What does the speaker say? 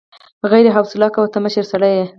خير حوصله کوه، ته مشر سړی يې.